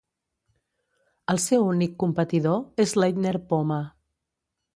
El seu únic competidor és Leitner-Poma.